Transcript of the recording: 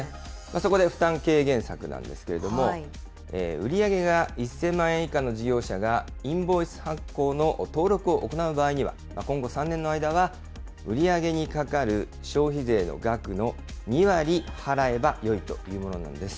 そこで負担軽減策なんですけれども、売り上げが１０００万円以下の事業者が、インボイス発行の登録を行う場合には、今後３年の間は売り上げにかかる消費税の額の２割払えばよいというものなんです。